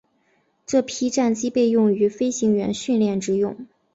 这批战机被用于飞行员训练之用。